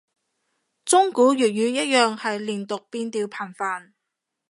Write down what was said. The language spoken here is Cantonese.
中古粵語一樣係連讀變調頻繁